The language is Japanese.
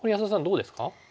どうですか？